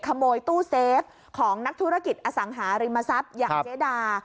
ขโมยตู้เซฟของนักธุรกิจอสังหาริมทรัพย์อย่างเจดา